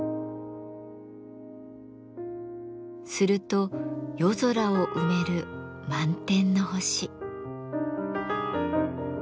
すると夜空を埋める満天の星。